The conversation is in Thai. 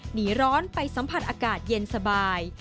หนีร้อนไปสัมผัสอากาศเย็นสบาย